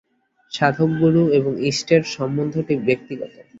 সাধক, গুরু এবং ইষ্টের সম্বন্ধটি ব্যক্তিগত।